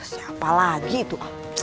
siapa lagi itu